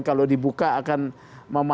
kalau dibuka akan memenuhi